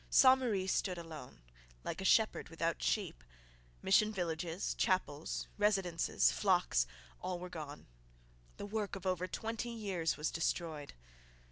Ste Marie stood alone, like a shepherd without sheep: mission villages, chapels, residences, flocks all were gone. The work of over twenty years was destroyed.